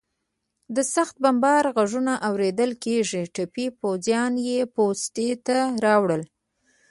د سخت بمبار غږونه اورېدل کېدل، ټپي پوځیان یې پوستې ته راوړل.